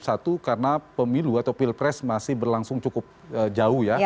satu karena pemilu atau pilpres masih berlangsung cukup jauh ya